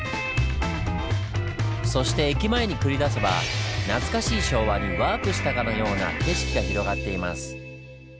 そして駅前に繰り出せば懐かしい昭和にワープしたかのような景色が広がっています。